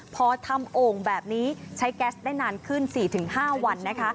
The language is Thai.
พอทำโอ่งแบบนี้ใช้แก๊สได้นานขึ้น๔๕วัน